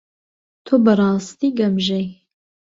تۆ بەڕاستی گەمژەی.